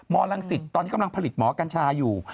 ลังศิษย์ตอนนี้กำลังผลิตหมอกัญชาอยู่